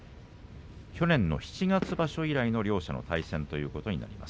去年の七月場所以来の両者の対戦です。